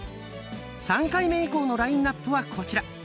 ３回目以降のラインナップはこちら。